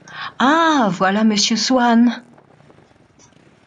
Ah! voilà Monsieur Swann.